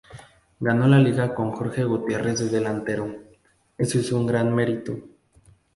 Ganó la liga con jorge Gutierrez de delantero, eso es un gran merito.